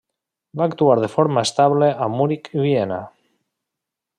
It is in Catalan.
Va actuar de forma estable a Munic i Viena.